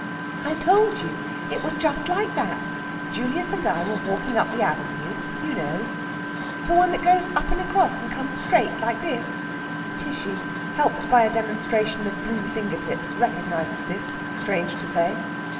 "I told you. It was just like that. Julius and I were walking up the avenue you know...." "The one that goes up and across, and comes straight like this?" Tishy, helped by a demonstration of blue finger tips, recognises this, strange to say.